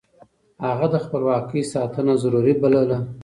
هغه د خپلواکۍ ساتنه ضروري بلله.